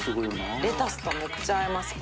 レタスとめっちゃ合います